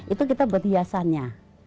itu kita buat hiasannya